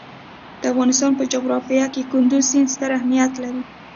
د افغانستان په جغرافیه کې کندز سیند ستر اهمیت لري.